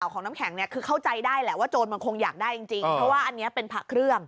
ของน้ำแข็งเนี่ยคือเข้าใจได้แหละว่าโจรมันคงอยากได้จริงเพราะว่าอันนี้เป็นพระเครื่อง